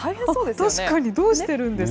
確かに、どうしてるんですか？